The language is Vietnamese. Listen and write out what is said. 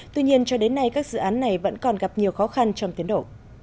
tuy nhiên cho đến nay các dự án này vẫn còn gặp nhiều khó khăn trong tiến đổ